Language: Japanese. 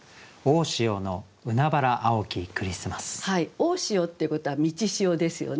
大潮っていうことは満ち潮ですよね。